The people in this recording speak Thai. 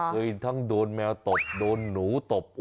ทั้งโดนแมวตบโดนหนูตบ